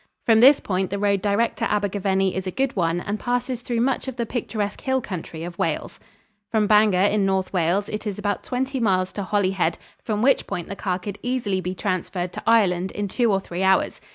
From this point the road direct to Abergavenny is a good one and passes through much of the picturesque hill country of Wales. From Bangor in North Wales it is about twenty miles to Holyhead, from which point the car could easily be transferred to Ireland in two or three hours.